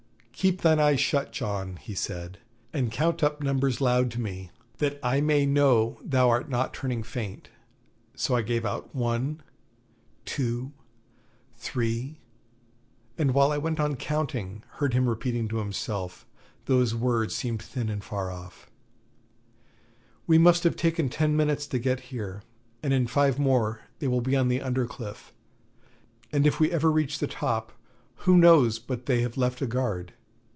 'Keep thine eyes shut, John,' he said, 'and count up numbers loud to me, that I may know thou art not turning faint.' So I gave out, 'One, two, three,' and while I went on counting, heard him repeating to himself, though his words seemed thin and far off: 'We must have taken ten minutes to get here, and in five more they will be on the under cliff; and if we ever reach the top, who knows but they have left a guard!